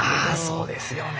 そうですよね。